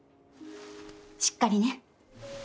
しっかりね。